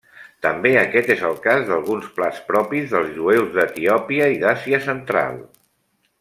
També aquest és el cas d'alguns plats propis dels jueus d'Etiòpia i d'Àsia central.